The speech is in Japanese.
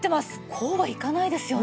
こうはいかないですよね。